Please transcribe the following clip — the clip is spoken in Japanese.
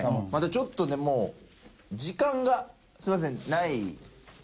ちょっとねもう時間がすいませんないみたいなんで。